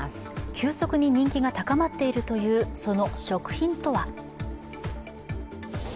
急速に人気が高まっているというその食品とは。